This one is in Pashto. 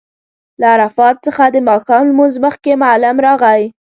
له عرفات څخه د ماښام لمونځ مخکې معلم راغی.